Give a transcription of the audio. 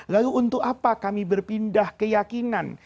lalu untuk apa kami berpindah keyakinan